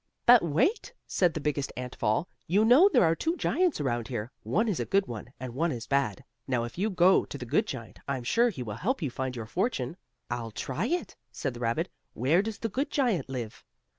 "But wait," said the biggest ant of all. "You know there are two giants around here. One is a good one, and one is bad. Now if you go to the good giant I'm sure he will help you find your fortune." "I'll try it," said the rabbit. "Where does the good giant live?"